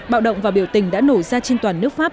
bạo động và biểu tình đã nổ ra trên toàn nước pháp